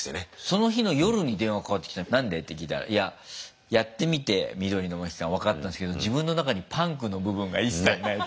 その日の夜に電話かかってきて何で？って聞いたらいややってみて緑のモヒカン分かったんですけど自分の中にパンクの部分が一切ない。